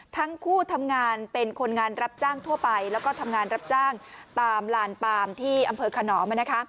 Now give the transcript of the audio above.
ทั้งคู่ทำงานเป็นคนงานรับจ้างทั่วไปแล้วก็ทำงานรับจ้างตามลานปามที่อำเภอขนอม